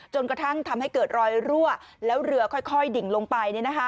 จนกระทั่งทำให้เกิดรอยรั่วแล้วเรือค่อยดิ่งลงไป